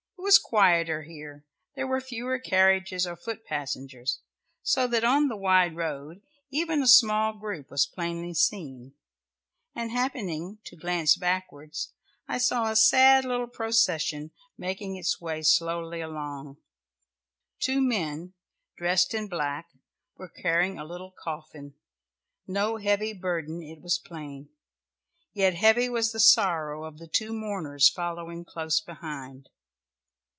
It was quieter here; there were fewer carriages or foot passengers, so that on the wide road, even a small group was plainly seen, and happening to glance backwards, I saw a sad little procession making its way slowly along. Two men, dressed in black, were carrying a little coffin no heavy burden, it was plain yet heavy was the sorrow of the two mourners following close behind.